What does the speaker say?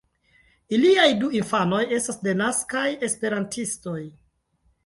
Iliaj du infanoj estas denaskaj esperantistoj.